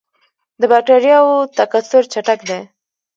د بکټریاوو تکثر چټک دی.